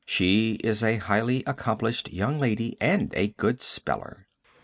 She is a highly accomplished young lady, and a good speller."